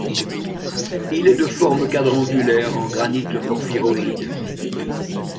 Il est de forme quadrangulaire en granite porphyroïde.